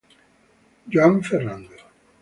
Joan Ferrando